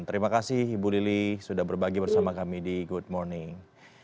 terima kasih ibu lili sudah berbagi bersama kami di good morning